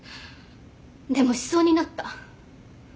でもしそうになった。